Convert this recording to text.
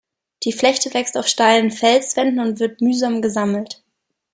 Die Flechte wächst auf steilen Felswänden und wird mühsam gesammelt.